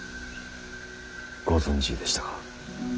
ご存じでしたか。